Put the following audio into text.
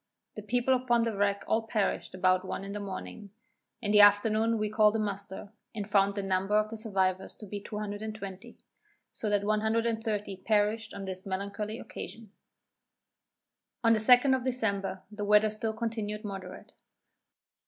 The people upon the wreck all perished about one in morning. In the afternoon we called a muster, and found the number of the survivors to be 220; so that 130 perished on this melancholy occasion. On the 2d of December, the weather still continued moderate.